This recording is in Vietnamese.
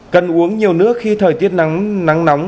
cần uống nhiều nước khi thời tiết nắng nóng